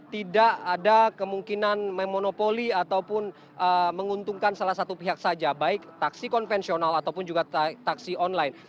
tidak ada kemungkinan memonopoli ataupun menguntungkan salah satu pihak saja baik taksi konvensional ataupun juga taksi online